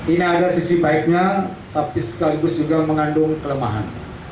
ini ada sisi baiknya tapi sekaligus juga mengandung kelemahan